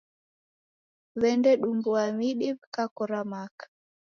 W'edumbua midi w'ikakora maka.